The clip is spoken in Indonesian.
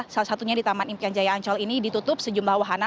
salah satunya di taman impian jaya ancol ini ditutup sejumlah wahana